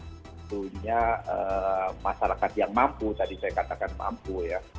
tentunya masyarakat yang mampu tadi saya katakan mampu ya